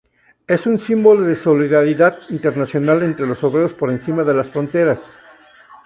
Es un símbolo de solidaridad internacional entre los obreros por encima de las fronteras.